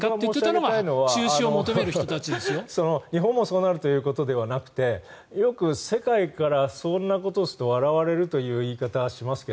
僕が申し上げたいのは日本もそうなるということではなくてよく、世界からそんなことをすると笑われるという言い方をしますが。